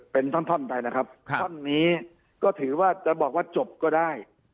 เป็นท่อนไปนะครับท่อนนี้ก็ถือว่าจะบอกว่าจบก็ได้